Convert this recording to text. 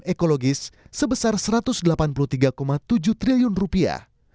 ekologis sebesar satu ratus delapan puluh tiga tujuh triliun rupiah